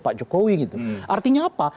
pak jokowi gitu artinya apa